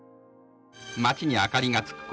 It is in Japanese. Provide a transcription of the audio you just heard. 町に明かりがつくころ